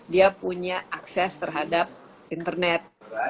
dia punya akses terhadap internet